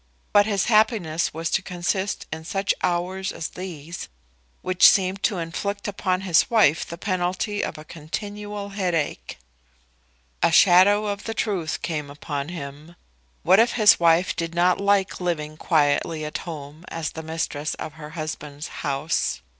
But his happiness was to consist in such hours as these which seemed to inflict upon his wife the penalty of a continual headache. A shadow of the truth came upon him. What if his wife did not like living quietly at home as the mistress of her husband's house?